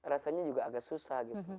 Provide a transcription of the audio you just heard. rasanya juga agak susah gitu